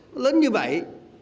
nó lớn như vậy